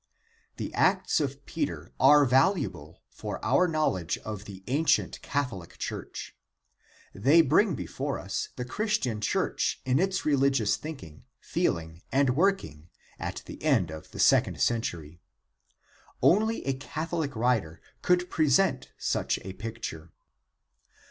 The Acts of Peter are valuable for our knowledge of the Ancient Catholic Church. They bring before us the Chris tian Church in its religious thinking, feeling and working at the end of the second century. Only a Catholic writer could present such a picture.